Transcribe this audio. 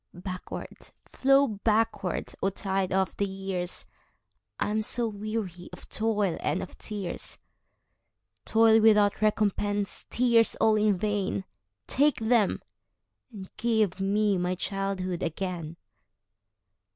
Backward, flow backward, O tide of the years!I am so weary of toil and of tears,—Toil without recompense, tears all in vain,—Take them, and give me my childhood again!